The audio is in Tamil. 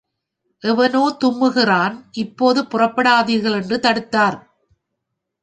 எவனோ தும்முகிறான், இப்பொழுது புறப்படாதீர்கள்! என்று தடுத்தார்.